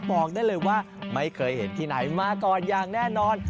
บอกได้เลยว่าไม่เคยเห็นที่ไหนมาก่อนอย่างแน่นอน